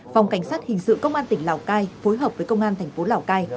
phòng cảnh sát hình sự công an tỉnh lào cai phối hợp với công an tp lào cai